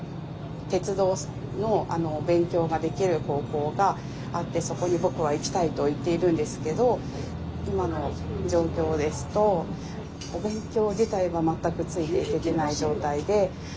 鉄道の勉強ができる高校があって「そこに僕は行きたい」と言っているんですけど今の状況ですとお勉強自体は全くついていけてない状態で。